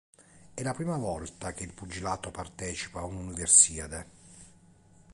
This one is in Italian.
È la prima volta che il pugilato partecipa a un'Universiade.